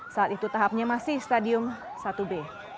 saat itu tahapnya masih stadium satu b